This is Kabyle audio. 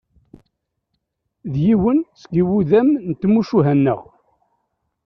D yiwen seg iwudam n tmucuha-nneɣ.